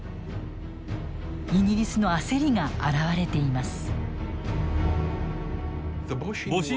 イギリスの焦りが現れています。